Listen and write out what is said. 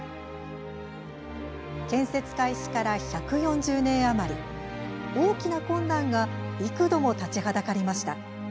建設開始から１４０年余り大きな困難が幾度も立ちはだかりました。